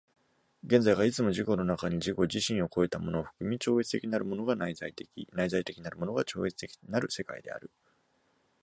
現在がいつも自己の中に自己自身を越えたものを含み、超越的なるものが内在的、内在的なるものが超越的なる世界である。